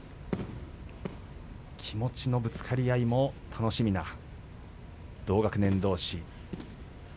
気持ちのぶつかり合いも楽しみな同学年どうし。